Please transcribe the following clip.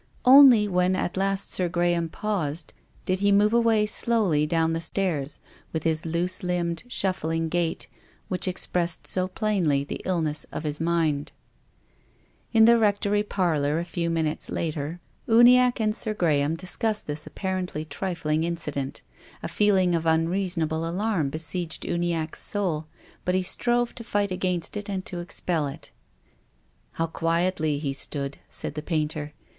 Only when at last Sir Graham paused, did he move away slowly down the stairs with his loose limbed, .shuffling gait, which expressed so plainly the illness of his mind. In the rectory parlor, a few minutes later, 82 TONGUES OF CONSCIENCE. Uniacke and Sir Graham discussed this apparently trifling incident. A feehng of unreasonable alarm besieged Uniacke's soul, but he strove to fight against and to expel it, " How quietly he stood," said the painter.